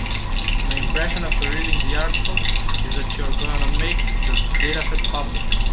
My impression after reading the article is that you are going to make the dataset public.